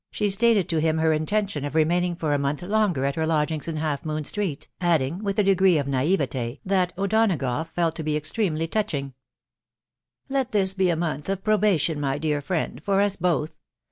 she stated to him her intention of remaining for a month longer at her lodgings in Half Moon Street, adding, with a degree of ncCiveti that O'Donagough felt to be ex tremely touching, —" Let this be a month of probation, my dear friend, for us both.